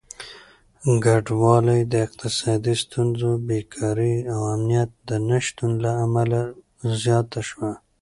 کډوالي د اقتصادي ستونزو، بېکاري او امنيت د نشتون له امله زياته شوه.